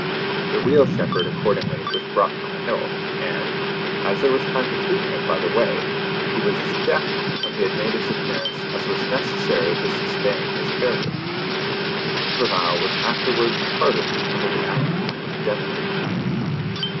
The real shepherd accordingly was brought from the hill, and, as there was time to tutor him by the way, he was as deaf when he made his appearance as was necessary to sustain his character. Invernahyle was afterwards pardoned under the Act of Indemnity.